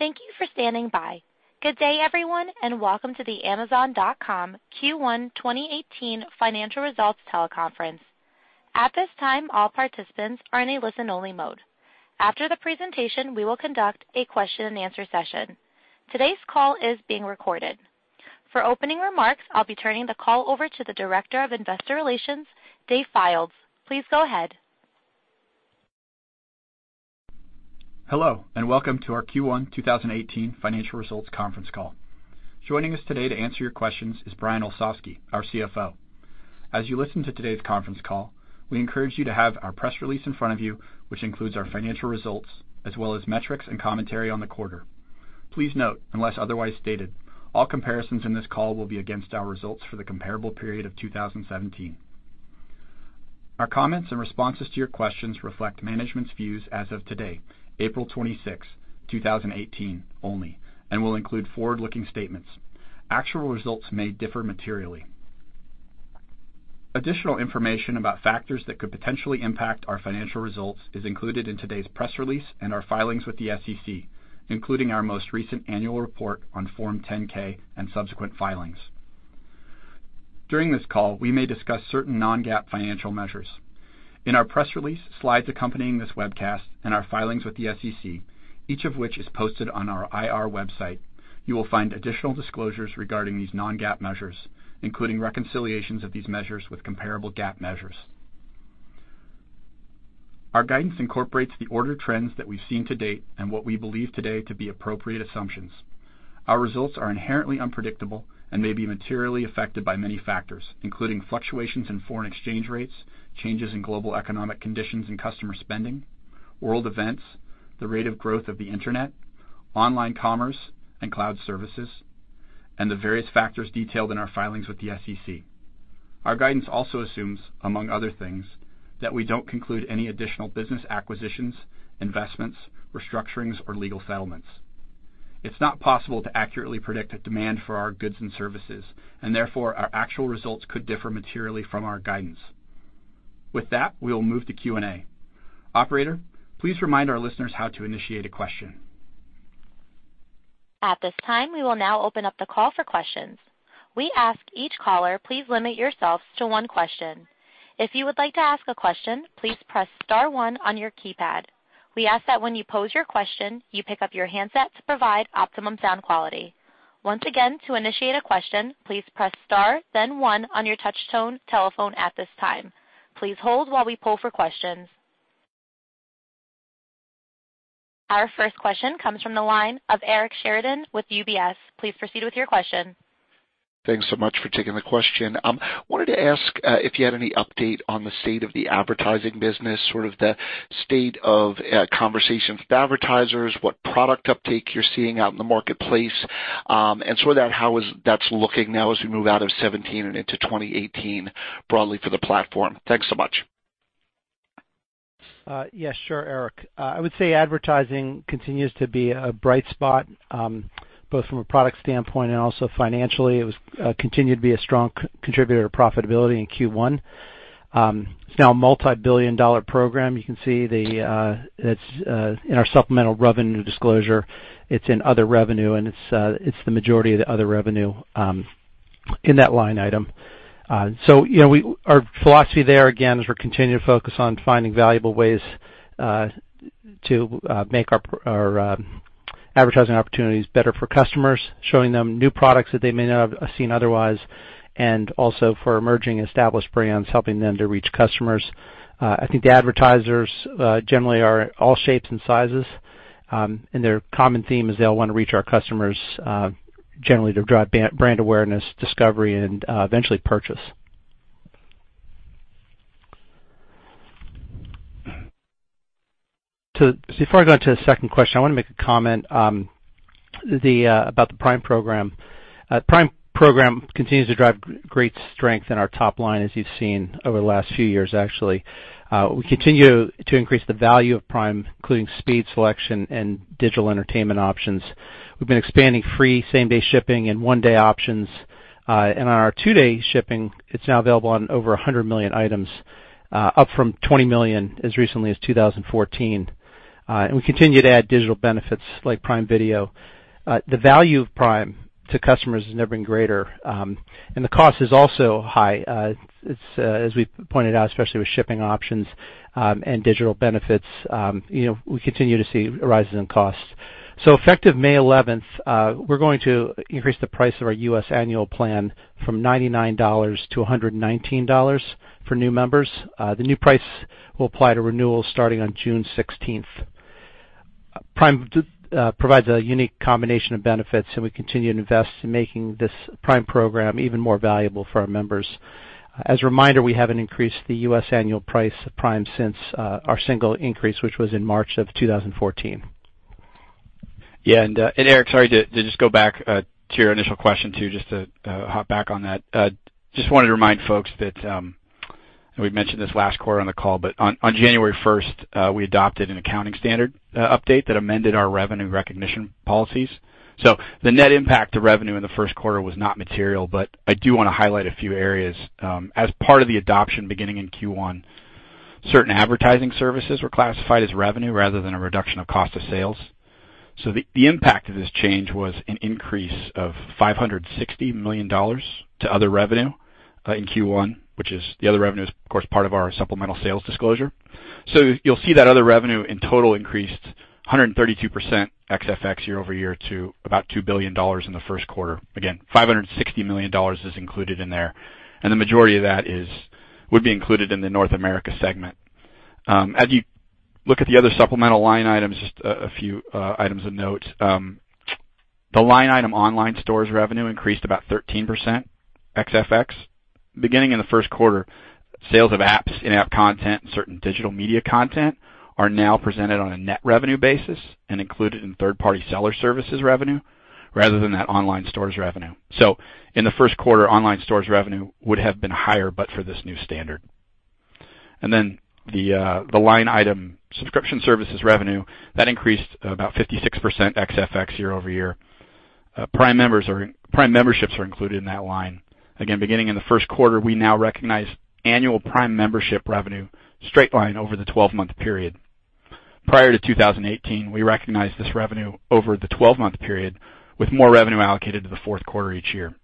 Thank you for standing by. Good day, everyone, and welcome to the Amazon.com Q1 2018 financial results teleconference. At this time, all participants are in a listen-only mode. After the presentation, we will conduct a question and answer session. Today's call is being recorded. For opening remarks, I'll be turning the call over to the Director of Investor Relations, Dave Fildes. Please go ahead. Hello, and welcome to our Q1 2018 financial results conference call. Joining us today to answer your questions is Brian Olsavsky, our CFO. As you listen to today's conference call, we encourage you to have our press release in front of you, which includes our financial results as well as metrics and commentary on the quarter. Please note, unless otherwise stated, all comparisons in this call will be against our results for the comparable period of 2017. Our comments and responses to your questions reflect management's views as of today, April 26, 2018, only, and will include forward-looking statements. Actual results may differ materially. Additional information about factors that could potentially impact our financial results is included in today's press release and our filings with the SEC, including our most recent annual report on Form 10-K and subsequent filings. During this call, we may discuss certain non-GAAP financial measures. In our press release, slides accompanying this webcast and our filings with the SEC, each of which is posted on our IR website, you will find additional disclosures regarding these non-GAAP measures, including reconciliations of these measures with comparable GAAP measures. Our guidance incorporates the order trends that we've seen to date and what we believe today to be appropriate assumptions. Our results are inherently unpredictable and may be materially affected by many factors, including fluctuations in foreign exchange rates, changes in global economic conditions and customer spending, world events, the rate of growth of the Internet, online commerce and cloud services, and the various factors detailed in our filings with the SEC. Our guidance also assumes, among other things, that we don't conclude any additional business acquisitions, investments, restructurings, or legal settlements. It's not possible to accurately predict the demand for our goods and services, and therefore, our actual results could differ materially from our guidance. With that, we'll move to Q&A. Operator, please remind our listeners how to initiate a question. At this time, we will now open up the call for questions. We ask each caller, please limit yourselves to one question. If you would like to ask a question, please press star one on your keypad. We ask that when you pose your question, you pick up your handset to provide optimum sound quality. Once again, to initiate a question, please press star, then one on your touch tone telephone at this time. Please hold while we poll for questions. Our first question comes from the line of Eric Sheridan with UBS. Please proceed with your question. Thanks so much for taking the question. Wanted to ask if you had any update on the state of the advertising business, sort of the state of conversations with advertisers, what product uptake you're seeing out in the marketplace, and sort of how that's looking now as we move out of 2017 and into 2018 broadly for the platform. Thanks so much. Yes, sure, Eric. I would say advertising continues to be a bright spot, both from a product standpoint and also financially. It continued to be a strong contributor to profitability in Q1. It's now a multi-billion dollar program. You can see in our supplemental revenue disclosure, it's in other revenue, and it's the majority of the other revenue in that line item. Our philosophy there, again, is we're continuing to focus on finding valuable ways to make our advertising opportunities better for customers, showing them new products that they may not have seen otherwise, and also for emerging established brands, helping them to reach customers. I think the advertisers generally are all shapes and sizes, and their common theme is they all want to reach our customers generally to drive brand awareness, discovery, and eventually purchase. Before I go into the second question, I want to make a comment about the Prime program. Prime program continues to drive great strength in our top line, as you've seen over the last few years, actually. We continue to increase the value of Prime, including speed selection and digital entertainment options. We've been expanding free same-day shipping and one-day options, and our two-day shipping, it's now available on over 100 million items, up from 20 million as recently as 2014. We continue to add digital benefits like Prime Video. The value of Prime to customers has never been greater, and the cost is also high. As we pointed out, especially with shipping options and digital benefits, we continue to see rises in costs. Effective May 11th, we're going to increase the price of our U.S. annual plan from $99 to $119 for new members. The new price will apply to renewals starting on June 16th. Prime provides a unique combination of benefits, we continue to invest in making this Prime program even more valuable for our members. As a reminder, we haven't increased the U.S. annual price of Prime since our single increase, which was in March of 2014. Yeah, Eric, sorry, to just go back to your initial question, too, just to hop back on that. Just wanted to remind folks that, we mentioned this last quarter on the call, on January 1st, we adopted an accounting standard update that amended our revenue recognition policies. The net impact to revenue in the first quarter was not material, I do want to highlight a few areas. As part of the adoption beginning in Q1 Certain advertising services were classified as revenue rather than a reduction of cost of sales. The impact of this change was an increase of $560 million to other revenue in Q1, which is, of course, part of our supplemental sales disclosure. You'll see that other revenue in total increased 132% ex-FX year-over-year to about $2 billion in the first quarter. Again, $560 million is included in there, the majority of that would be included in the North America segment. As you look at the other supplemental line items, just a few items of note. The line item online stores revenue increased about 13% ex-FX. Beginning in the first quarter, sales of apps, in-app content, and certain digital media content are now presented on a net revenue basis and included in third-party seller services revenue rather than that online stores revenue. In the first quarter, online stores revenue would have been higher but for this new standard. The line item subscription services revenue, that increased about 56% ex-FX year-over-year. Prime memberships are included in that line. Again, beginning in the first quarter, we now recognize annual Prime membership revenue straight line over the 12-month period. Prior to 2018, we recognized this revenue over the 12-month period, with more revenue allocated to the fourth quarter each year.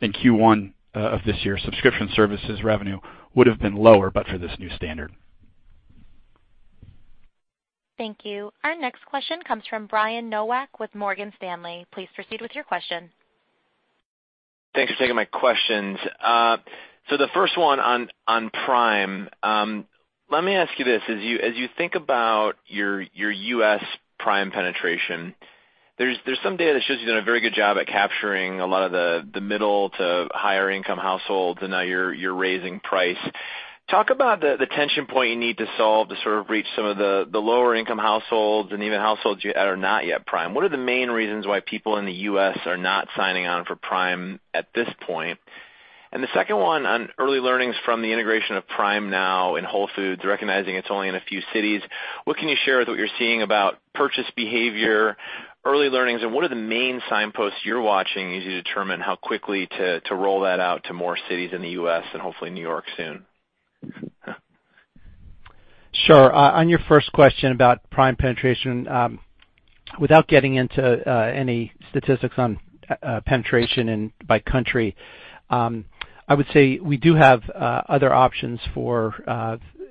In Q1 of this year, subscription services revenue would've been lower but for this new standard. Thank you. Our next question comes from Brian Nowak with Morgan Stanley. Please proceed with your question. Thanks for taking my questions. The first one on Prime. Let me ask you this, as you think about your U.S. Prime penetration, there's some data that shows you've done a very good job at capturing a lot of the middle to higher income households, and now you're raising price. Talk about the tension point you need to solve to sort of reach some of the lower income households and even households that are not yet Prime. What are the main reasons why people in the U.S. are not signing on for Prime at this point? The second one on early learnings from the integration of Prime Now in Whole Foods, recognizing it's only in a few cities, what can you share with what you're seeing about purchase behavior, early learnings, and what are the main signposts you're watching as you determine how quickly to roll that out to more cities in the U.S. and hopefully New York soon? Sure. On your first question about Prime penetration, without getting into any statistics on penetration by country, I would say we do have other options for,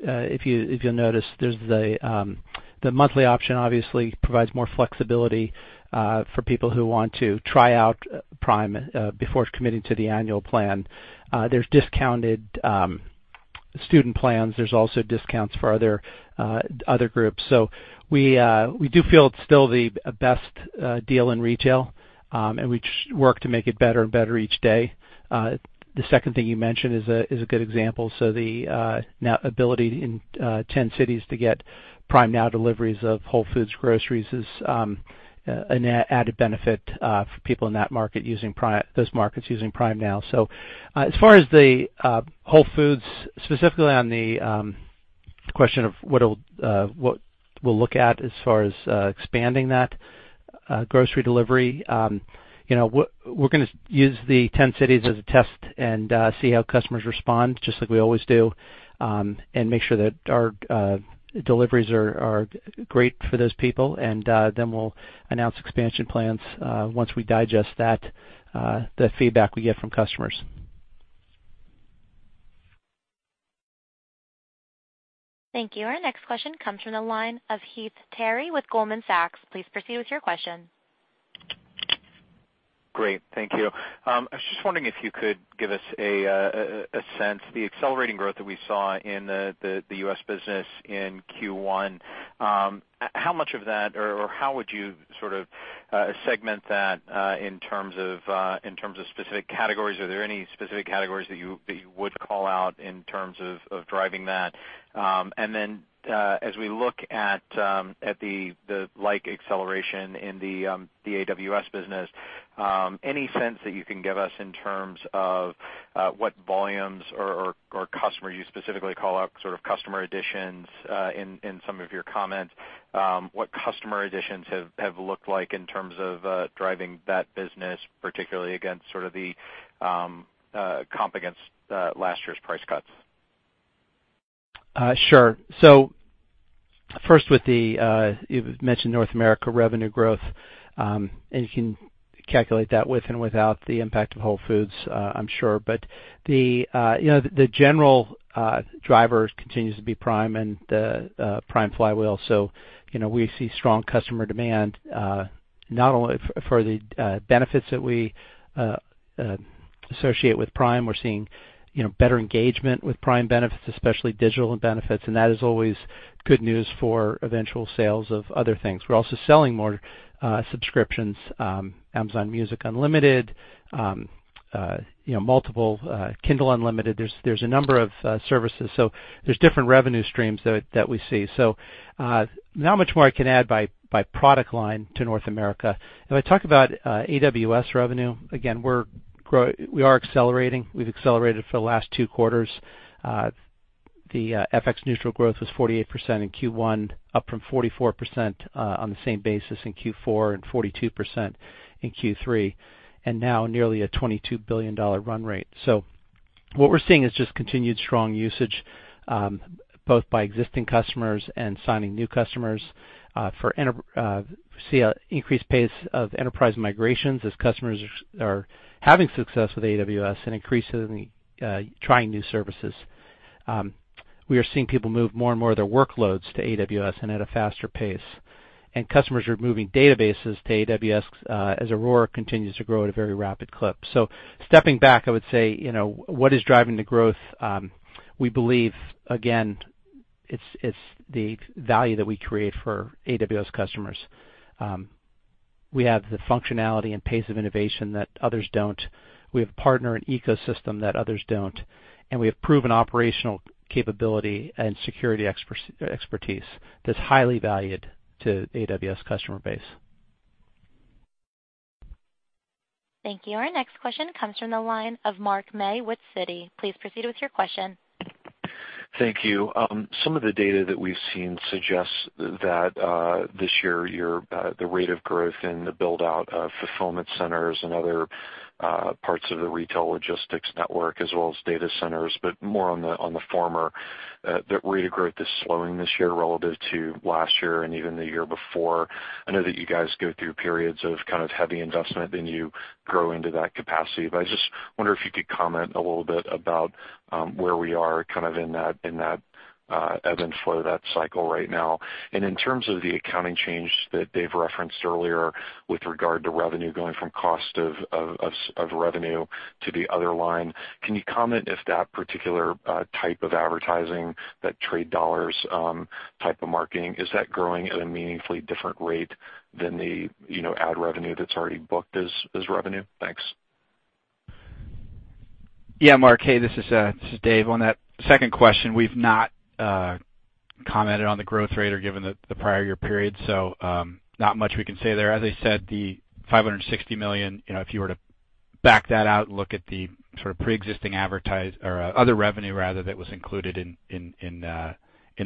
if you'll notice, there's the monthly option obviously provides more flexibility for people who want to try out Prime before committing to the annual plan. There's discounted student plans. There's also discounts for other groups. We do feel it's still the best deal in retail, and we work to make it better and better each day. The second thing you mentioned is a good example. The ability in 10 cities to get Prime Now deliveries of Whole Foods groceries is an added benefit for people in those markets using Prime Now. As far as the Whole Foods, specifically on the question of what we'll look at as far as expanding that grocery delivery, we're going to use the 10 cities as a test and see how customers respond, just like we always do, and make sure that our deliveries are great for those people. We'll announce expansion plans once we digest the feedback we get from customers. Thank you. Our next question comes from the line of Heath Terry with Goldman Sachs. Please proceed with your question. Great. Thank you. I was just wondering if you could give us a sense, the accelerating growth that we saw in the U.S. business in Q1, how much of that, or how would you sort of segment that in terms of specific categories? Are there any specific categories that you would call out in terms of driving that? As we look at the like acceleration in the AWS business, any sense that you can give us in terms of what volumes or customers you specifically call out, sort of customer additions in some of your comments, what customer additions have looked like in terms of driving that business, particularly against sort of the comp against last year's price cuts? Sure. First with the, you've mentioned North America revenue growth, and you can calculate that with and without the impact of Whole Foods, I'm sure. The general driver continues to be Prime and the Prime flywheel. We see strong customer demand, not only for the benefits that we associate with Prime. We're seeing better engagement with Prime benefits, especially digital benefits, and that is always good news for eventual sales of other things. We're also selling more subscriptions, Amazon Music Unlimited, multiple Kindle Unlimited. There's a number of services. There's different revenue streams that we see. Not much more I can add by product line to North America. If I talk about AWS revenue, again, we are accelerating. We've accelerated for the last two quarters. The FX neutral growth was 48% in Q1, up from 44% on the same basis in Q4, and 42% in Q3, and now nearly a $22 billion run rate. What we're seeing is just continued strong usage, both by existing customers and signing new customers. We see an increased pace of enterprise migrations as customers are having success with AWS and increasingly trying new services. We are seeing people move more and more of their workloads to AWS and at a faster pace. Customers are moving databases to AWS as Aurora continues to grow at a very rapid clip. Stepping back, I would say, what is driving the growth? We believe, again, it's the value that we create for AWS customers. We have the functionality and pace of innovation that others don't. We have a partner and ecosystem that others don't, and we have proven operational capability and security expertise that's highly valued to AWS customer base. Thank you. Our next question comes from the line of Mark May with Citi. Please proceed with your question. Thank you. Some of the data that we've seen suggests that this year, the rate of growth in the build-out of fulfillment centers and other parts of the retail logistics network, as well as data centers, but more on the former, that rate of growth is slowing this year relative to last year and even the year before. I know that you guys go through periods of kind of heavy investment, then you grow into that capacity, but I just wonder if you could comment a little bit about where we are kind of in that ebb and flow, that cycle right now. In terms of the accounting change that Dave referenced earlier with regard to revenue going from cost of revenue to the other line, can you comment if that particular type of advertising, that trade dollars type of marketing, is that growing at a meaningfully different rate than the ad revenue that's already booked as revenue? Thanks. Yeah, Mark. Hey, this is Dave. On that second question, we've not commented on the growth rate or given the prior year period, so not much we can say there. As I said, the $560 million, if you were to back that out and look at the sort of preexisting other revenue that was included in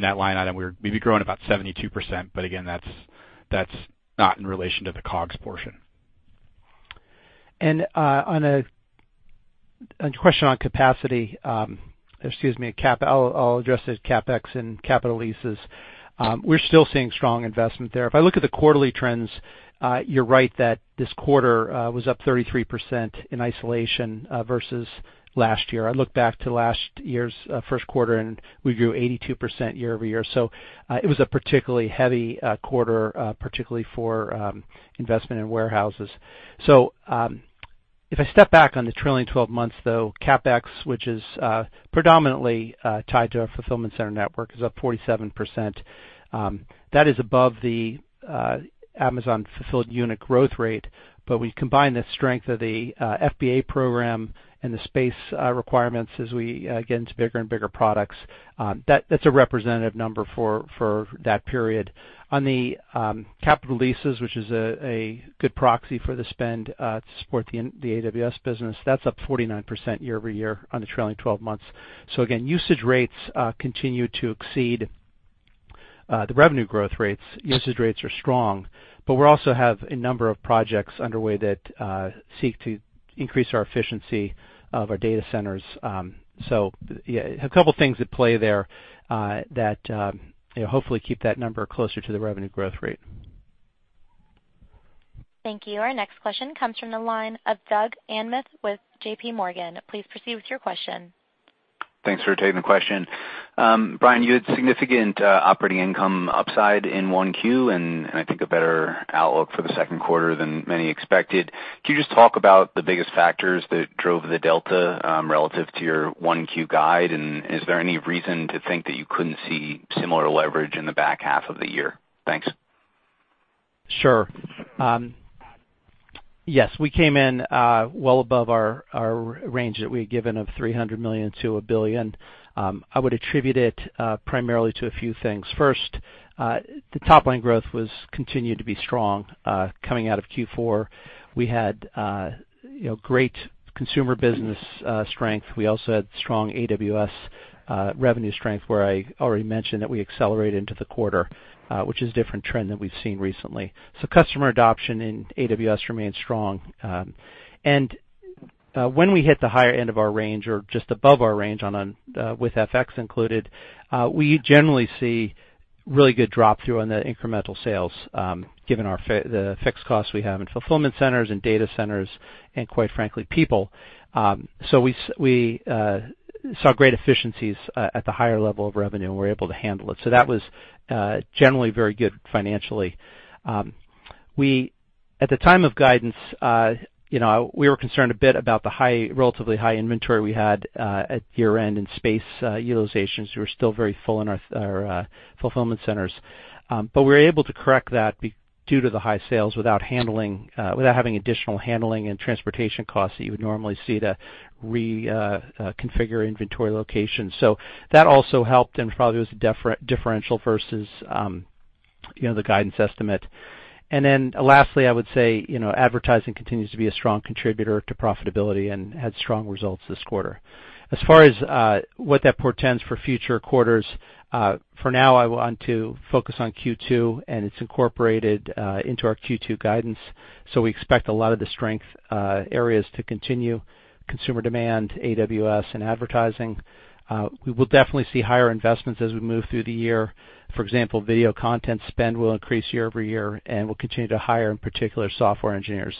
that line item, we'd be growing about 72%, but again, that's not in relation to the COGS portion. On a question on capacity, excuse me, I'll address this CapEx and capital leases. We're still seeing strong investment there. If I look at the quarterly trends, you're right that this quarter was up 33% in isolation versus last year. I looked back to last year's first quarter, and we grew 82% year-over-year. It was a particularly heavy quarter, particularly for investment in warehouses. If I step back on the trailing 12 months, though, CapEx, which is predominantly tied to our fulfillment center network, is up 47%. That is above the Amazon fulfilled unit growth rate, but we combine the strength of the FBA program and the space requirements as we get into bigger and bigger products. That's a representative number for that period. On the capital leases, which is a good proxy for the spend to support the AWS business, that's up 49% year-over-year on the trailing 12 months. Again, usage rates continue to exceed the revenue growth rates. Usage rates are strong. We also have a number of projects underway that seek to increase our efficiency of our data centers. Yeah, a couple things at play there that hopefully keep that number closer to the revenue growth rate. Thank you. Our next question comes from the line of Doug Anmuth with J.P. Morgan. Please proceed with your question. Thanks for taking the question. Brian, you had significant operating income upside in 1Q, and I think a better outlook for the second quarter than many expected. Can you just talk about the biggest factors that drove the delta relative to your 1Q guide, and is there any reason to think that you couldn't see similar leverage in the back half of the year? Thanks. Sure. Yes, we came in well above our range that we had given of $300 million-$1 billion. I would attribute it primarily to a few things. First, the top-line growth continued to be strong coming out of Q4. We had great consumer business strength. We also had strong AWS revenue strength, where I already mentioned that we accelerated into the quarter, which is a different trend than we've seen recently. Customer adoption in AWS remains strong. When we hit the higher end of our range or just above our range with FX included, we generally see really good drop-through on the incremental sales, given the fixed costs we have in fulfillment centers and data centers, and quite frankly, people. We saw great efficiencies at the higher level of revenue, and we're able to handle it. That was generally very good financially. At the time of guidance, we were concerned a bit about the relatively high inventory we had at year-end in space utilizations. We were still very full in our fulfillment centers. We were able to correct that due to the high sales without having additional handling and transportation costs that you would normally see to reconfigure inventory locations. That also helped and probably was a differential versus the guidance estimate. Lastly, I would say advertising continues to be a strong contributor to profitability and had strong results this quarter. As far as what that portends for future quarters, for now I want to focus on Q2, and it's incorporated into our Q2 guidance. We expect a lot of the strength areas to continue, consumer demand, AWS, and advertising. We will definitely see higher investments as we move through the year. For example, video content spend will increase year-over-year, and we'll continue to hire, in particular, software engineers.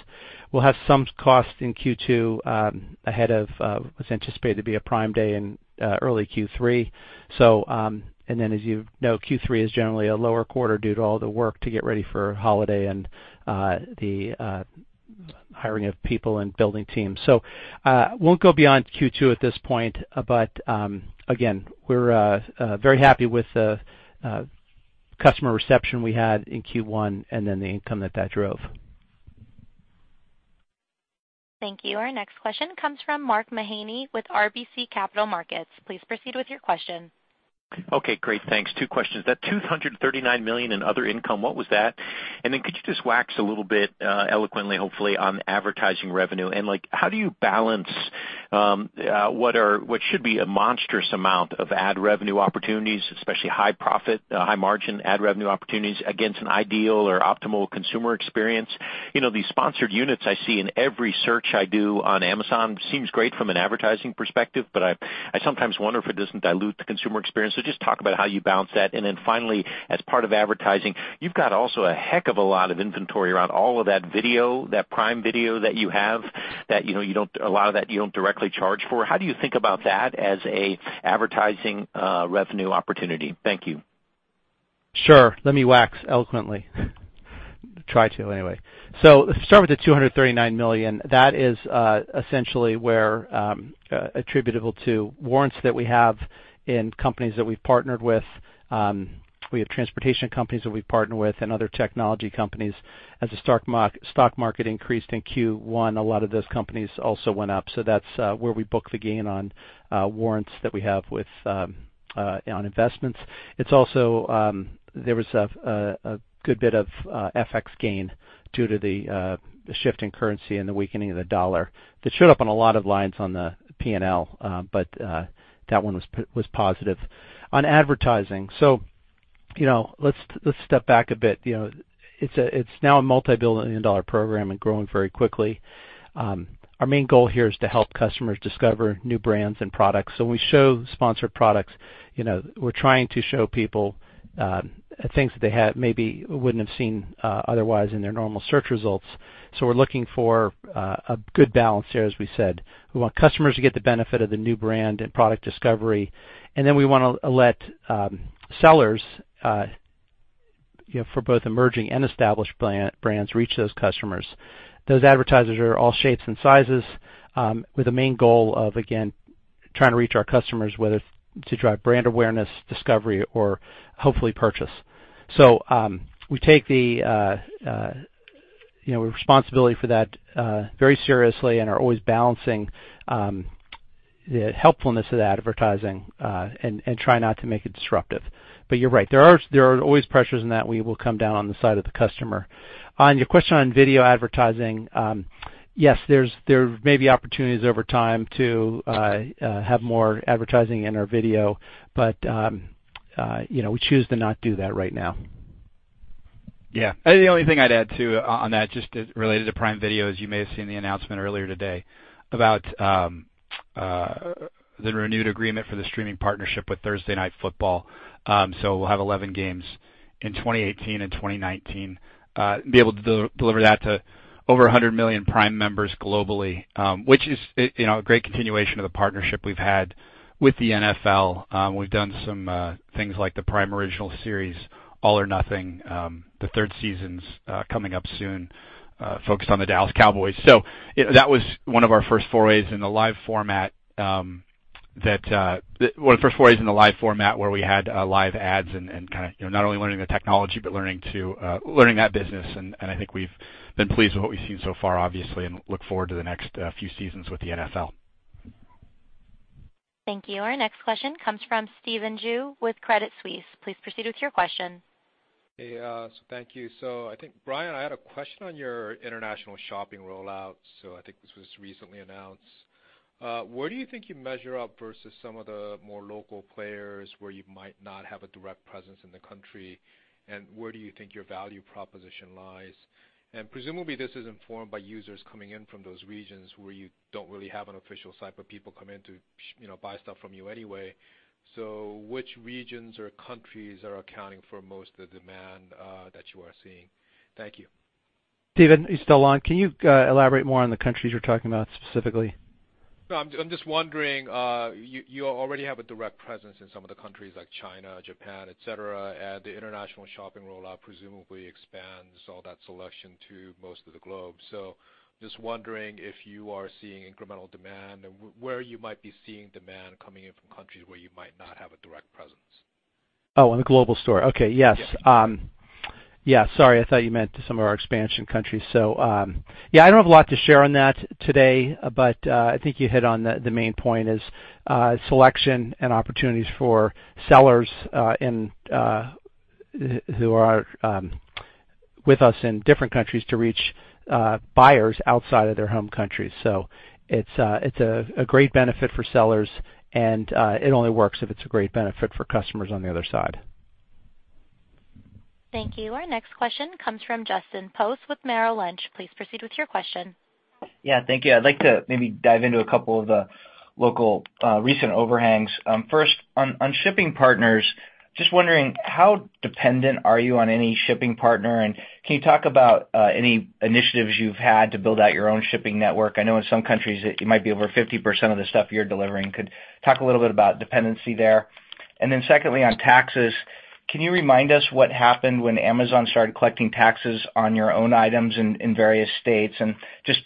We'll have some cost in Q2 ahead of what's anticipated to be a Prime Day in early Q3. As you know, Q3 is generally a lower quarter due to all the work to get ready for holiday and the hiring of people and building teams. Won't go beyond Q2 at this point. Again, we're very happy with the customer reception we had in Q1 and then the income that that drove. Thank you. Our next question comes from Mark Mahaney with RBC Capital Markets. Please proceed with your question. Okay, great. Thanks. Two questions. That $239 million in other income, what was that? Could you just wax a little bit, eloquently hopefully, on advertising revenue, and how do you balance what should be a monstrous amount of ad revenue opportunities, especially high profit, high margin ad revenue opportunities against an ideal or optimal consumer experience? These sponsored units I see in every search I do on Amazon seems great from an advertising perspective, I sometimes wonder if it doesn't dilute the consumer experience. Just talk about how you balance that, and then finally, as part of advertising, you've got also a heck of a lot of inventory around all of that Prime Video that you have, a lot of that you don't directly charge for. How do you think about that as an advertising revenue opportunity? Thank you. Sure. Let me wax eloquently. Try to, anyway. Let's start with the $239 million. That is essentially where attributable to warrants that we have in companies that we've partnered with. We have transportation companies that we've partnered with and other technology companies. As the stock market increased in Q1, a lot of those companies also went up. That's where we book the gain on warrants that we have on investments. There was a good bit of FX gain due to the shift in currency and the weakening of the dollar. That showed up on a lot of lines on the P&L, that one was positive. On advertising, let's step back a bit. It's now a multi-billion-dollar program and growing very quickly. Our main goal here is to help customers discover new brands and products. When we show sponsored products, we're trying to show people things that they maybe wouldn't have seen otherwise in their normal search results. We're looking for a good balance here, as we said. We want customers to get the benefit of the new brand and product discovery, and then we want to let sellers, for both emerging and established brands, reach those customers. Those advertisers are all shapes and sizes, with the main goal of, again, trying to reach our customers, whether to drive brand awareness, discovery, or hopefully purchase. We take the responsibility for that very seriously and are always balancing the helpfulness of the advertising, and try not to make it disruptive. You're right. There are always pressures in that we will come down on the side of the customer. On your question on video advertising, yes, there may be opportunities over time to have more advertising in our video. We choose to not do that right now. Yeah. The only thing I'd add, too, on that, just related to Prime Video, as you may have seen the announcement earlier today about the renewed agreement for the streaming partnership with Thursday Night Football. We'll have 11 games in 2018 and 2019, be able to deliver that to over 100 million Prime members globally, which is a great continuation of the partnership we've had with the NFL. We've done some things like the Prime Original series, "All or Nothing," the third season's coming up soon, focused on the Dallas Cowboys. That was one of our first forays in the live format where we had live ads, and not only learning the technology, but learning that business, and I think we've been pleased with what we've seen so far, obviously, and look forward to the next few seasons with the NFL. Thank you. Our next question comes from Stephen Ju with Credit Suisse. Please proceed with your question. Hey. Thank you. I think, Brian, I had a question on your international shopping rollout. I think this was recently announced. Where do you think you measure up versus some of the more local players where you might not have a direct presence in the country, and where do you think your value proposition lies? Presumably, this is informed by users coming in from those regions where you don't really have an official site, but people come in to buy stuff from you anyway. Which regions or countries are accounting for most of the demand that you are seeing? Thank you. Stephen, you still on? Can you elaborate more on the countries you're talking about specifically? No, I'm just wondering. You already have a direct presence in some of the countries like China, Japan, et cetera, and the international shopping rollout presumably expands all that selection to most of the globe. Just wondering if you are seeing incremental demand and where you might be seeing demand coming in from countries where you might not have a direct presence? Oh, on the global store. Okay. Yes. Yeah. Yeah. Sorry, I thought you meant some of our expansion countries. Yeah, I don't have a lot to share on that today, but I think you hit on the main point is selection and opportunities for sellers who are with us in different countries to reach buyers outside of their home countries. It's a great benefit for sellers, and it only works if it's a great benefit for customers on the other side. Thank you. Our next question comes from Justin Post with Merrill Lynch. Please proceed with your question. Yeah, thank you. I'd like to maybe dive into a couple of the local recent overhangs. First, on shipping partners, just wondering how dependent are you on any shipping partner, and can you talk about any initiatives you've had to build out your own shipping network? I know in some countries it might be over 50% of the stuff you're delivering. Could you talk a little bit about dependency there? Then secondly, on taxes, can you remind us what happened when Amazon started collecting taxes on your own items in various states? Just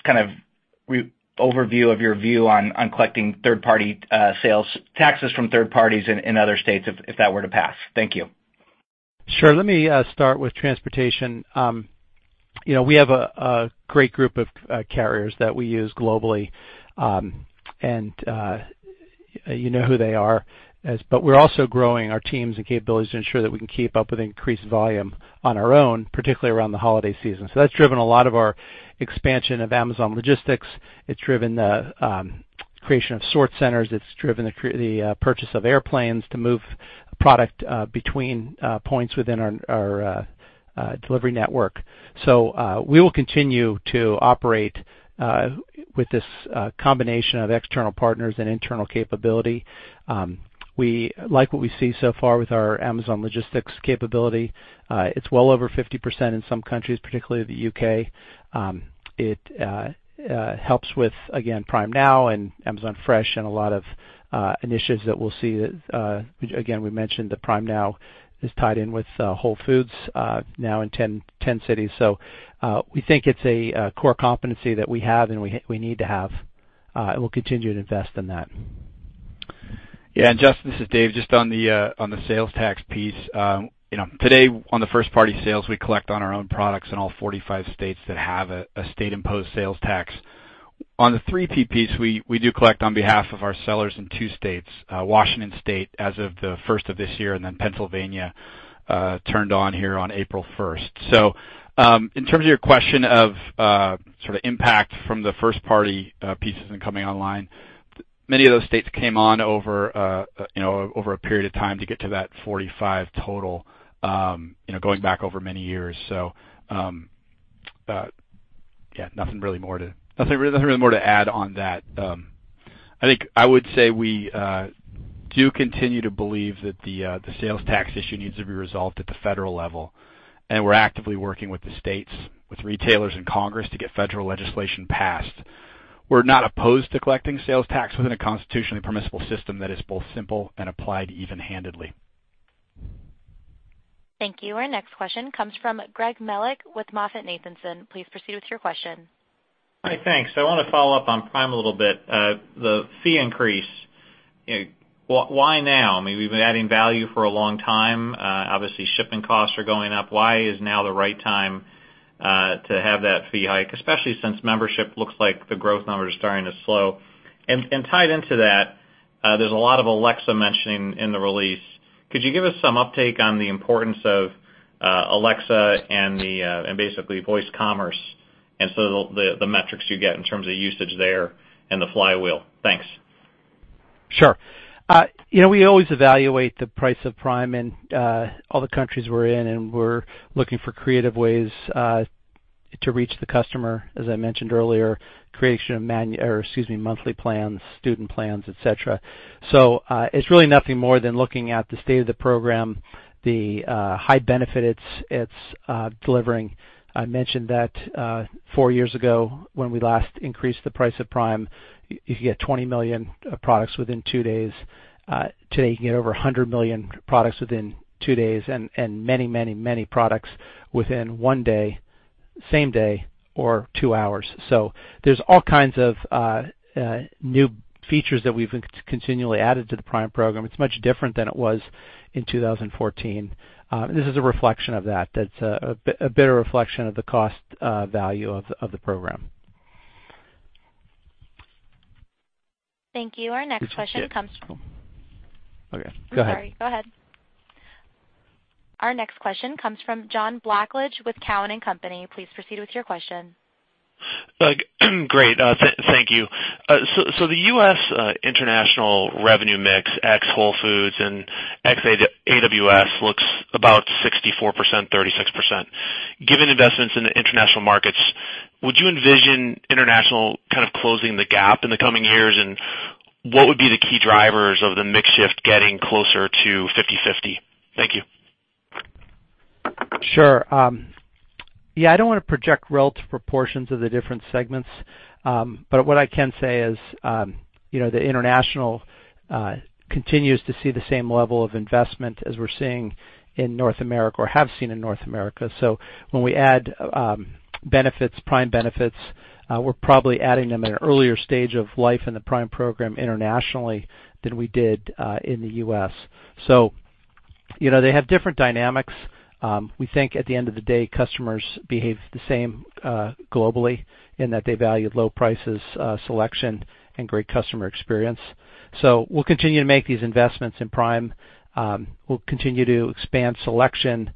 overview of your view on collecting third-party sales taxes from third parties in other states, if that were to pass. Thank you. Sure. Let me start with transportation. We have a great group of carriers that we use globally, and you know who they are. We're also growing our teams and capabilities to ensure that we can keep up with increased volume on our own, particularly around the holiday season. That's driven a lot of our expansion of Amazon Logistics. It's driven the creation of sort centers. It's driven the purchase of airplanes to move product between points within our delivery network. We will continue to operate with this combination of external partners and internal capability. We like what we see so far with our Amazon Logistics capability. It's well over 50% in some countries, particularly the U.K. It helps with, again, Prime Now and Amazon Fresh, and a lot of initiatives that we'll see. Again, we mentioned that Prime Now is tied in with Whole Foods now in 10 cities. We think it's a core competency that we have, and we need to have, and we'll continue to invest in that. Yeah. Justin, this is Dave. Just on the sales tax piece. Today, on the first-party sales, we collect on our own products in all 45 states that have a state-imposed sales tax. On the 3 Ps, we do collect on behalf of our sellers in 2 states, Washington State as of the 1st of this year, Pennsylvania turned on here on April 1st. In terms of your question of sort of impact from the first-party pieces in coming online, many of those states came on over a period of time to get to that 45 total, going back over many years. Yeah, nothing really more to add on that. I think I would say we do continue to believe that the sales tax issue needs to be resolved at the federal level, and we're actively working with the states, with retailers, and Congress to get federal legislation passed. We're not opposed to collecting sales tax within a constitutionally permissible system that is both simple and applied even-handedly. Thank you. Our next question comes from Greg Melich with MoffettNathanson. Please proceed with your question. Hi, thanks. I want to follow up on Prime a little bit. The fee increase, why now? We've been adding value for a long time. Obviously, shipping costs are going up. Why is now the right time to have that fee hike, especially since membership looks like the growth numbers are starting to slow? Tied into that, there's a lot of Alexa mentioning in the release. Could you give us some uptake on the importance of Alexa and basically voice commerce, the metrics you get in terms of usage there and the flywheel? Thanks. Sure. We always evaluate the price of Prime in all the countries we're in. We're looking for creative ways to reach the customer, as I mentioned earlier, creation of monthly plans, student plans, et cetera. It's really nothing more than looking at the state of the program, the high benefit it's delivering. I mentioned that four years ago, when we last increased the price of Prime, you could get 20 million products within two days. Today, you can get over 100 million products within two days, and many products within one day, same day, or two hours. There's all kinds of new features that we've continually added to the Prime program. It's much different than it was in 2014. This is a reflection of that. That's a better reflection of the cost value of the program. Thank you. Our next question comes- Okay. Go ahead. I'm sorry. Go ahead. Our next question comes from John Blackledge with Cowen and Company. Please proceed with your question. Great. Thank you. The U.S. international revenue mix ex Whole Foods and ex AWS looks about 64%/36%. Given investments in the international markets, would you envision international kind of closing the gap in the coming years? What would be the key drivers of the mix shift getting closer to 50/50? Thank you. Sure. Yeah, I don't want to project relative proportions of the different segments. What I can say is, the international continues to see the same level of investment as we're seeing in North America or have seen in North America. When we add Prime benefits, we're probably adding them at an earlier stage of life in the Prime program internationally than we did in the U.S. They have different dynamics. We think at the end of the day, customers behave the same globally in that they value low prices, selection, and great customer experience. We'll continue to make these investments in Prime. We'll continue to expand selection,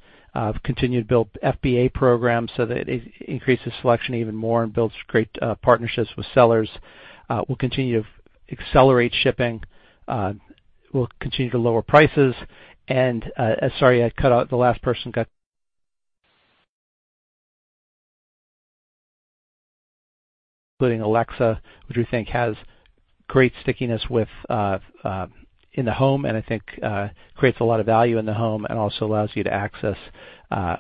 continue to build FBA programs so that it increases selection even more and builds great partnerships with sellers. We'll continue to accelerate shipping. We'll continue to lower prices, including Alexa, which we think has great stickiness in the home, and I think creates a lot of value in the home and also allows you to access,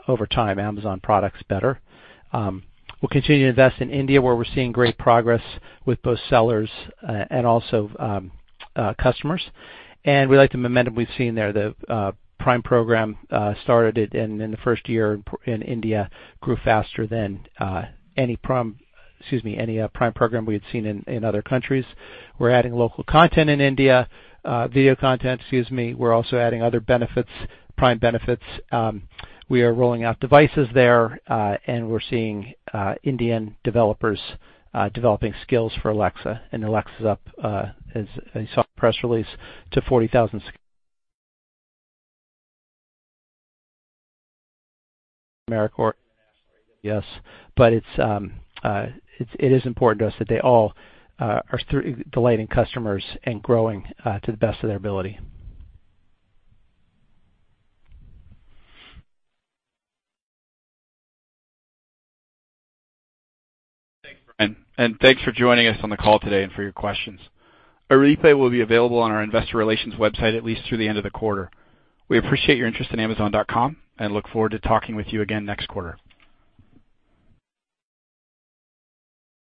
over time, Amazon products better. We'll continue to invest in India, where we're seeing great progress with both sellers and also customers. We like the momentum we've seen there. The Prime program started it, and in the first year in India grew faster than any Prime program we had seen in other countries. We're adding local content in India, video content, excuse me. We're also adding other Prime benefits. We are rolling out devices there, and we're seeing Indian developers developing skills for Alexa, and Alexa is up, as you saw in the press release, to 40,000 skills. Yes. It is important to us that they all are delighting customers and growing to the best of their ability. Thanks, Brian, and thanks for joining us on the call today and for your questions. A replay will be available on our investor relations website, at least through the end of the quarter. We appreciate your interest in Amazon.com and look forward to talking with you again next quarter.